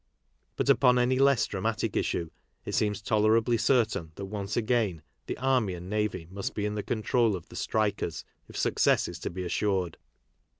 But upon any less dramatic issue, it seems tolerably certain that once again, the army and navy must be in the control of the strikers if success is to be assured.